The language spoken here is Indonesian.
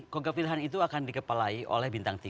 kogak wilhan itu akan dikepelai oleh bintang tiga